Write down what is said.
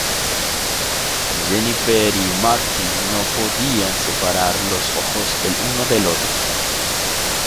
Jennifer y Marty no podían separar los ojos el uno del otro.